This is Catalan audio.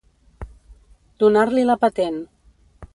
Donar-li la patent.